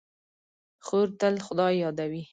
خور تل خدای یادوي.